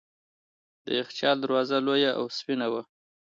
د یخچال دروازه لویه او سپینه وه.